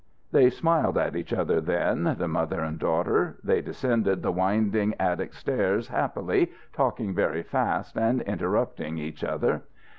They smiled at each other then, the mother and daughter. They descended the winding attic stairs happily, talking very fast and interrupting each other.